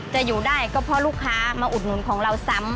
จะอยู่ได้ก็เพราะลูกค้ามาอุดหนุนของเราซ้ำ